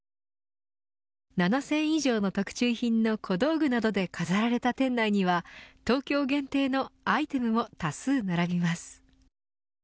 ７０００以上の特注品の小道具などで飾られた店内には東京限定のアイテムも多数並びます。